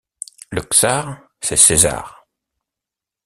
Le czar, c’est César.